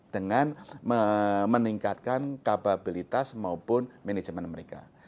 dengan meningkatkan kapabilitas maupun manajemen mereka